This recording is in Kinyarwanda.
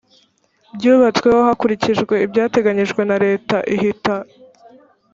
bwubatsweho hakurikije ibyateganyijwe leta ihita